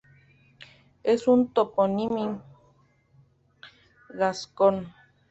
Es un topónimo gascón.